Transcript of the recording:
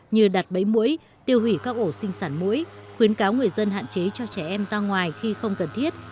như đặt bẫy mũi tiêu hủy các ổ sinh sản mũi khuyến cáo người dân hạn chế cho trẻ em ra ngoài khi không cần thiết